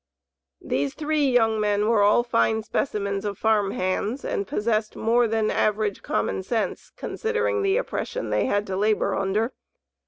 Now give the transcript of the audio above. These three young men were all fine specimens of farm hands, and possessed more than average common sense, considering the oppression they had to labor under.